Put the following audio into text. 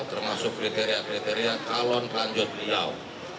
termasuk kriteria kriteria kalon lanjut beliau